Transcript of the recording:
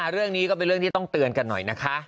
เรื่องนี้ก็เป็นเรื่องที่ต้องเตือนกันหน่อยนะคะ